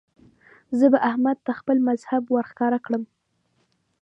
زه به احمد ته خپل مذهب ور ښکاره کړم.